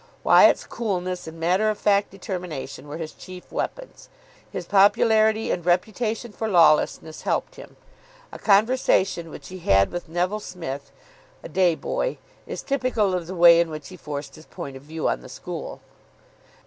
Wyatt's coolness and matter of fact determination were his chief weapons. His popularity and reputation for lawlessness helped him. A conversation which he had with Neville Smith, a day boy, is typical of the way in which he forced his point of view on the school.